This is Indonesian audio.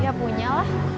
ya punya lah